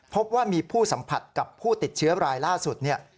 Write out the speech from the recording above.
พบว่ามีผู้สัมผัสกับผู้ติดเชื้อรายล่าสุดเนี่ย